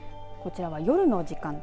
こちらは夜の時間帯。